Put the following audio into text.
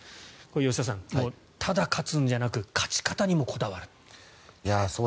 吉田さん、ただ勝つんじゃなく勝ち方にもこだわるという。